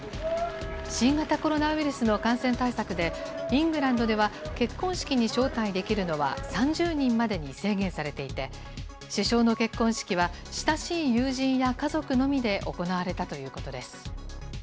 新型コロナウイルスの感染対策で、イングランドでは、結婚式に招待できるのは３０人までに制限されていて、首相の結婚式は、親しい友人や家族のみで行われたということです。